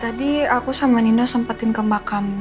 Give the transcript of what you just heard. aku sama nino sempat ke makam